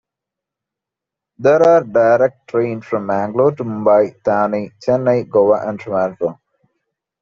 There are direct trains from Mangalore to Mumbai, Thane, Chennai, Goa and Trivandrum.